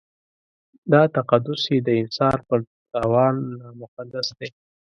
دا تقدس یې د انسان پر تاوان نامقدس دی.